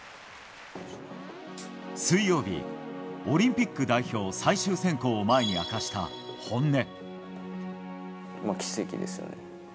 水曜日、オリンピック最終選考を前に明かした本音。